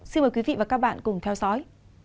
xin mời quý vị và các bạn cùng theo dõi